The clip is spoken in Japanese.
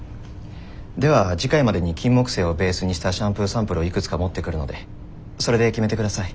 では次回までにキンモクセイをベースにしたシャンプーサンプルをいくつか持ってくるのでそれで決めて下さい。